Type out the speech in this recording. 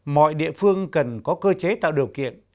mọi địa phương cần có cơ chế tạo điều kiện